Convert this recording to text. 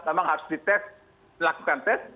memang harus di tes melakukan tes